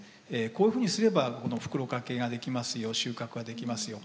こういうふうにすればこの袋掛けができますよ収穫ができますよ。